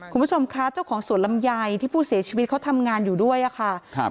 คุณผู้ชมคะเจ้าของสวนลำไยที่ผู้เสียชีวิตเขาทำงานอยู่ด้วยอะค่ะครับ